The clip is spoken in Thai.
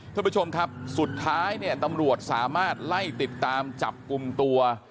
ท่านผู้ชมครับสุดท้ายเนี่ยตำรวจสามารถไล่ติดตามจับกลุ่มตัว